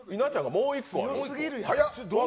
もう１個あるの。